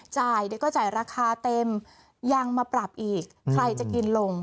จ่ายเดี๋ยวก็จ่ายราคาเต็มยังมาปรับอีกใครจะกินลง